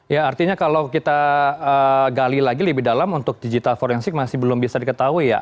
ya artinya kalau kita gali lagi lebih dalam untuk digital forensik masih belum bisa diketahui ya